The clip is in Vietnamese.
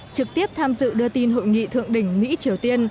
trực tiếp tham dự đưa tin hội nghị thượng đỉnh mỹ triều tiên